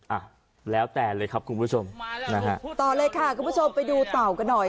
อ่ะแล้วแต่เลยครับคุณผู้ชมนะฮะต่อเลยค่ะคุณผู้ชมไปดูเต่ากันหน่อย